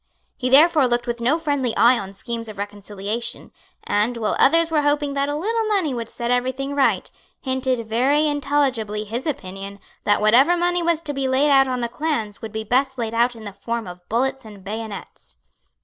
He therefore looked with no friendly eye on schemes of reconciliation, and, while others were hoping that a little money would set everything right, hinted very intelligibly his opinion that whatever money was to be laid out on the clans would be best laid out in the form of bullets and bayonets.